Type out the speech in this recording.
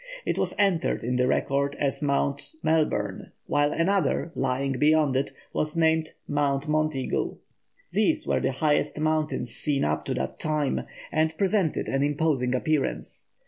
It was entered in the record as Mount Melbourne, while another, lying beyond it, was named Mount Monteagle. These were the highest mountains seen up to that time, and presented an imposing appearance.